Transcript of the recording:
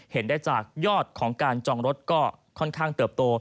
เห็นได้จากยอดของการจองรถก็ค่อนข้างเติบโต